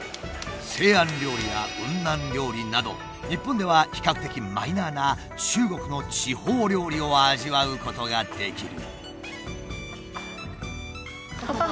西安料理や雲南料理など日本では比較的マイナーな中国の地方料理を味わうことができる。